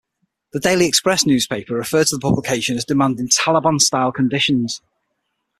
The "Daily Express" newspaper referred to the publication as demanding "Taleban-style" conditions.